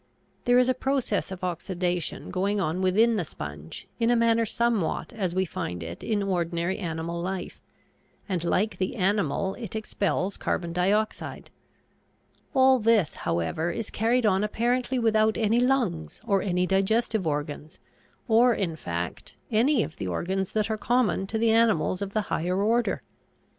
There is a process of oxidation going on within the sponge in a manner somewhat as we find it in ordinary animal life, and like the animal it expels carbon dioxide. All this, however, is carried on apparently without any lungs or any digestive organs, or in fact any of the organs that are common to the animals of the higher order.